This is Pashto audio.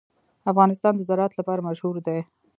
افغانستان د زراعت لپاره مشهور دی.